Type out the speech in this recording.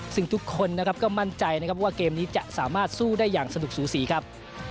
ซึ่งทุกคนนะครับก็มั่นใจนะครับว่าเกมนี้จะสามารถสู้ได้อย่างสนุกสูสีครับ